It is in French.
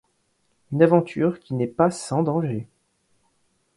Une aventure qui n'est pas sans danger!!!